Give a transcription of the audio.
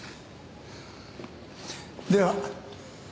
では。